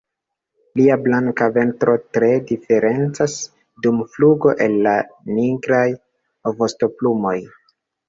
Lia blanka ventro tre diferencas dum flugo el la nigraj vostoplumoj.